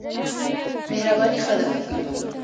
مهرباني ښه ده.